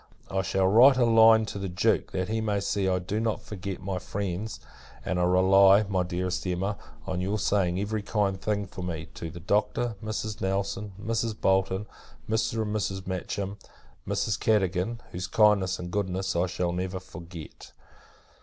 I shall write a line to the Duke, that he may see I do not forget my friends; and I rely, my dearest Emma, on your saying every kind thing, for me, to the Doctor, Mrs. Nelson, Mrs. Bolton, Mr. and Mrs. Matcham, Mrs. Cadogan; whose kindness, and goodness, I shall never forget.